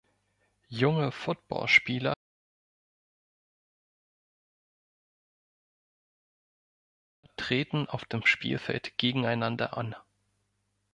Junge Football-Spieler treten auf dem Spielfeld gegeneinander an.